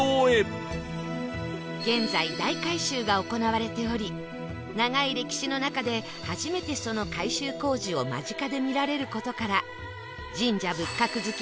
現在大改修が行われており長い歴史の中で初めてその改修工事を間近で見られる事から